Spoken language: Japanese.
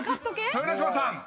豊ノ島さん］